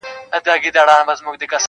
حق لرمه والوزم اسمان ته الوته لرم,